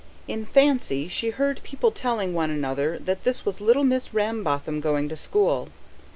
In fancy she heard people telling one another that this was little Miss Rambotham going to school.